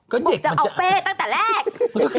บอกว่าจะเอาเป๊ะตั้งแต่แรก